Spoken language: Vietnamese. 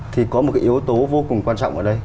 thì có một cái yếu tố vô cùng quan trọng ở đây